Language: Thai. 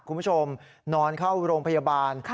คุณผู้ชมนอนเข้าโรงพยาบาล